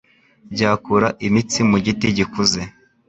Byakura imitsi mu giti gikuze